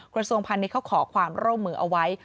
กระทรวงพาณิชย์เขาขอความร่วมมือเอาไว้